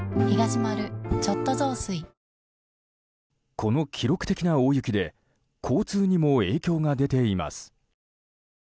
この記録的な大雪で交通にも影響が出ています。